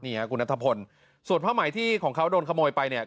นี่คุณนัททะพลส่วนผ้าไหมที่ของเขาโดนโขมอยไปก็ยังทอไม่เสร็จ